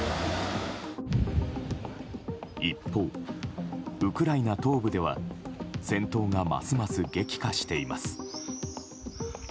一方、ウクライナ東部では戦闘がますます激化しています。